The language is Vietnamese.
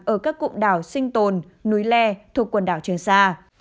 ở các cụm đảo sinh tồn núi le thuộc quần đảo trường sa